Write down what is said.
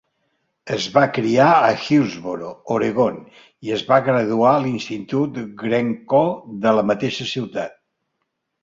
Es va criar a Hillsboro, Oregon, i es va graduar a l'Institut Glencoe de la mateixa ciutat.